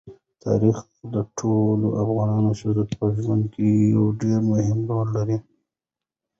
تاریخ د ټولو افغان ښځو په ژوند کې یو ډېر مهم رول لري.